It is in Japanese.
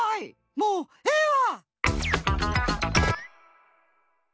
もうええわ！